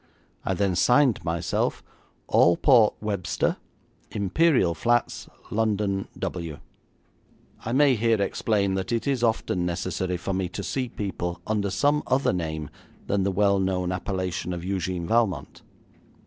I then signed myself, 'Alport Webster, Imperial Flats, London, W.' I may here explain that it is often necessary for me to see people under some other name than the well known appellation of Eugène Valmont.